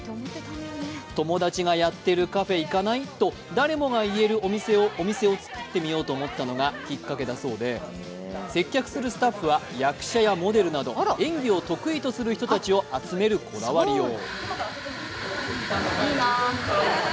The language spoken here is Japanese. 友達がやっているカフェ行かない？と誰もがいえるお店を作ってみようと思ったのがきっかけだそうで接客するスタッフは役者やモデルなど演技を得意とする人たちを集めるこだわりよう。